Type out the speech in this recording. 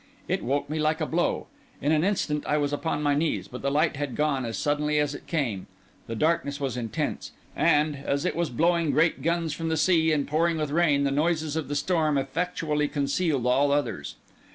It woke me like a blow. In an instant I was upon my knees. But the light had gone as suddenly as it came. The darkness was intense. And, as it was blowing great guns from the sea and pouring with rain, the noises of the storm effectually concealed all others.